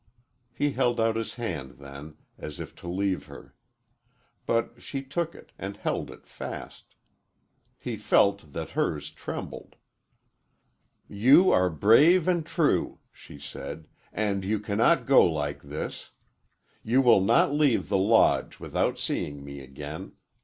He held out his hand then, as if to leave her. But she took it and held it fast. He felt that hers trembled. "You are brave and true," she said, "and you cannot go like this. You will not leave the Lodge without seeing me again.